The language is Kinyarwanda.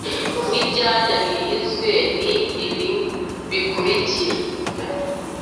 N ibyanya birinzwe ni ibi bikurikira